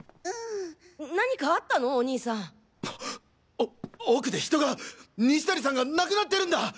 お奥で人が西谷さんが亡くなってるんだ！